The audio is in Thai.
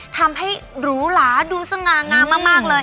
ทำให้หรูหลาดูสง่างามมากเลย